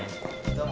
どうも。